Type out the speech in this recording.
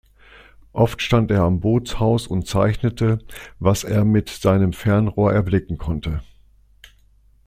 Oft stand er am Bootshaus und zeichnete, was er mit seinem Fernrohr erblicken konnte.